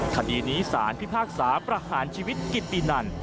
คดีนี้สารพิพากษาประหารชีวิตกิตตินัน